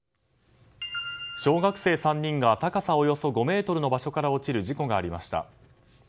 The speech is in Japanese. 小学生３人が高さおよそ５ｍの場所から落ちる事故がありました。